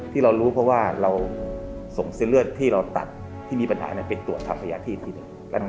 ที่เรารู้เพราะว่าเราส่งเส้นเลือดที่เราตัดที่มีปัญหาไปตรวจทางพยาที่ทีหนึ่ง